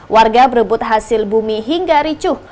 warga berebut hasil bumi hingga ricuh